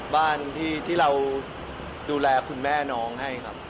บ้านที่เราดูแลคุณแม่น้องให้ครับ